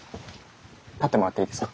立ってもらっていいですか？